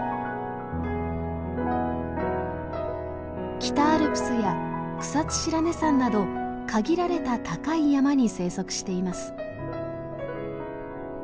北アルプスや草津白根山など限られた高い山に生息しています。